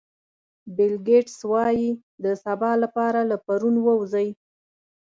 بیل ګېټس وایي د سبا لپاره له پرون ووځئ.